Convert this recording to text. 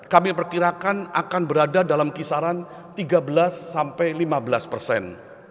kami perkirakan akan berada dalam kisaran tiga belas sampai lima belas persen